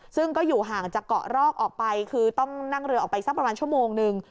ซึ่งก็อยู่ห่างจากเกาะรอกออกไปคือต้องนั่งเรือออกไปสักประมาณชั่วโมงนึง